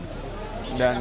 dan rumah juang